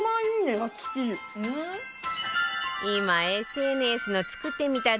今 ＳＮＳ の「作ってみた」